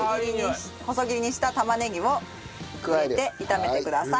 細切りにした玉ねぎを入れて炒めてください。